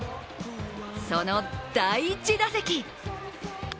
その第１打席。